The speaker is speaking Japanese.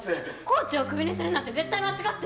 コーチをクビにするなんて絶対間違ってる！